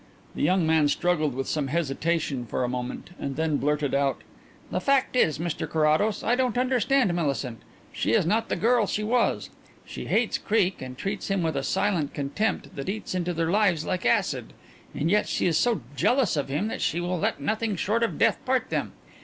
The young man struggled with some hesitation for a moment and then blurted out: "The fact is, Mr Carrados, I don't understand Millicent. She is not the girl she was. She hates Creake and treats him with a silent contempt that eats into their lives like acid, and yet she is so jealous of him that she will let nothing short of death part them.